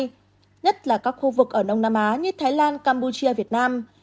nhất là các khu vực ở đông nam á như thái lan campuchia việt nam